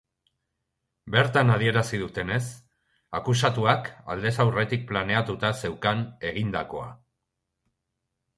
Bertan adierazi dutenez, akusatuak aldez aurretik planeatuta zeukan egindakoa.